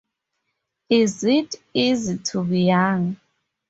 Is It Easy to Be Young?